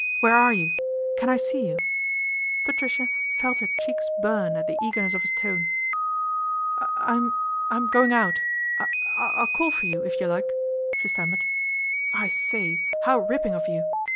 ' Where are you ? Can I see you ?" Patricia felt her cheeks burn at the eagerness of his tone. " I'm I'm going out. I I'll call for you if you like," she stammered. " I say, how ripping of you.